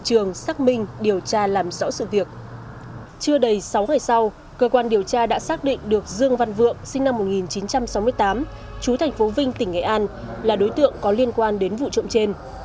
cơ quan điều tra đã xác định được dương văn vượng sinh năm một nghìn chín trăm sáu mươi tám chú thành phố vinh tỉnh nghệ an là đối tượng có liên quan đến vụ trộm trên